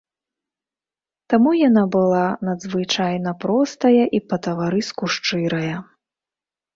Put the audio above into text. Таму яна была надзвычайна простая і па-таварыску шчырая.